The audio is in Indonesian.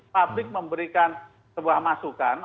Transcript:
publik memberikan sebuah masukan